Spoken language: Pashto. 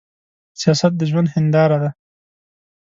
سياست د ژوند هينداره ده.